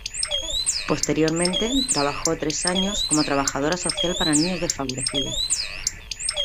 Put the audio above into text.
Posteriormente, trabajó tres años como trabajadora social para niños desfavorecidos.